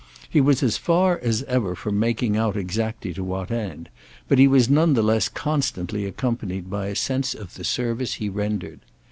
He was as far as ever from making out exactly to what end; but he was none the less constantly accompanied by a sense of the service he rendered.